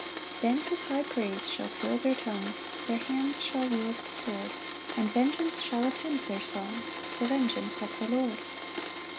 5 Then his high praise shall fill their tongues, Their hands shall wield the sword; And vengeance shall attend their songs, The vengeance of the Lord.